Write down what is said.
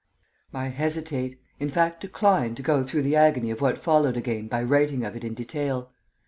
I hesitate, in fact decline, to go through the agony of what followed again by writing of it in detail.